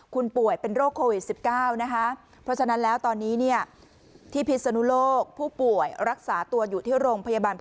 คุณป่วยเป็นโรคโควิด๑๙นะคะ